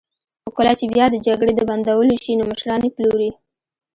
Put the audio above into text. خو کله چې بیا د جګړې د بندولو شي، نو مشران یې پلوري.